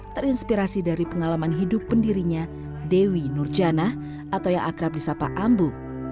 terinspirasi dari pengalaman hidup pendirinya dewi nurjana atau yang akrab di sapa ambu